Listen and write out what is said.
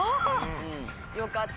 よかった。